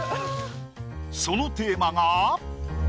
そのテーマが。